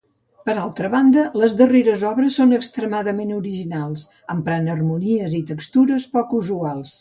Per altra banda, les darreres obres, són extremadament originals, emprant harmonies i textures poc usuals.